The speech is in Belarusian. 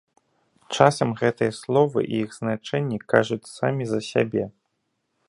Часам гэтыя словы і іх значэнні кажуць самі за сябе!